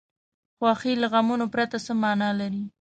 خوښي له غمونو پرته څه معنا لري.